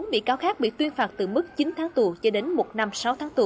một mươi bị cáo khác bị tuyên phạt từ mức chín tháng tù cho đến một năm sáu tháng tù